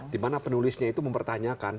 di mana penulisnya itu mempertanyakan